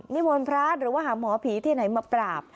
นิมนต์พระหรือว่าหาหมอผีที่ไหนมาปราบ